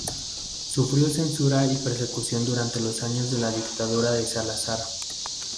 Sufrió censura y persecución durante los años de la dictadura de Salazar.